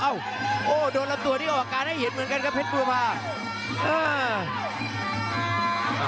โอ้โดนลำตัวที่ออกการให้เห็นเหมือนกันครับเพชรบูมาเออ